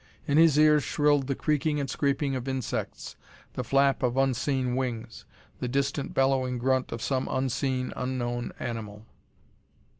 In his ears shrilled the creaking and scraping of insects, the flap of unseen wings, the distant bellowing grunt of some unseen, unknown animal.